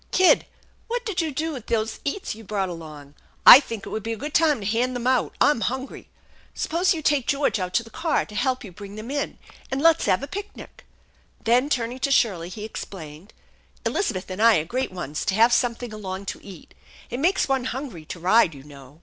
" Kid, what did you do with those eats you brought along ? I think it would be a good time to hand them out. I'm hungry. Suppose you take George out to the car to help you bring them in, and let's have a picnic !" Then, turning to Shirley, he explained: " Elizabeth and I are great ones to have something along to eat. It makes one hungry to ride, you know."